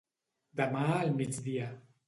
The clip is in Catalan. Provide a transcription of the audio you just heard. Demà al migdia.